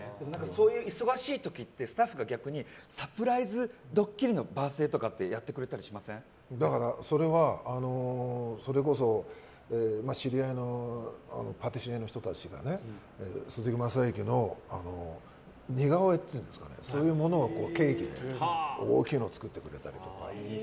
そういう忙しい時ってスタッフがサプライズドッキリのそれこそ知り合いのパティシエの方たちが鈴木雅之の似顔絵というんですかそういうものをケーキに大きいのを作ってくれたりとか。